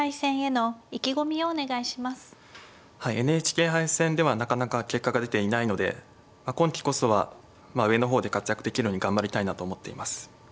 はいＮＨＫ杯戦ではなかなか結果が出ていないので今期こそは上の方で活躍できるように頑張りたいなと思っています。